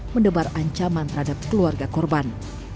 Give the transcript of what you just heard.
mendebar ancaman terhadap keluarga korban